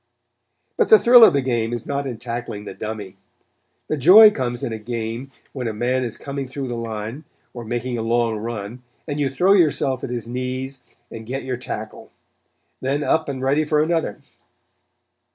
But the thrill of the game is not in tackling the dummy. The joy comes in a game, when a man is coming through the line, or making a long run, and you throw yourself at his knees, and get your tackle; then up and ready for another.